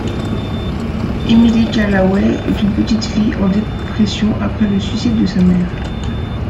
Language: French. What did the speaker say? Emily Callaway est une petite fille en dépression après le suicide de sa mère.